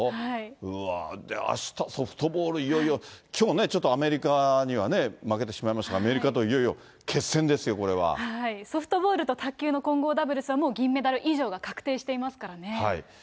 うわー、で、あした、ソフトボール、いよいよ、きょうね、アメリカには負けてしまいましたが、アメリカといよいよ決戦ですよ、ソフトボールと卓球の混合ダブルスは、もう銀メダル以上が確定していますからね。